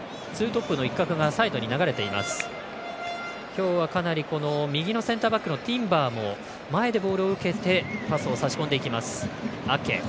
今日はかなり右のセンターバックのティンバーも前でボールを受けてパスを差し込んでいきます。